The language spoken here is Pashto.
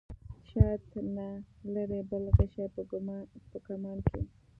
شاید نه لرې بل غشی په کمان کې.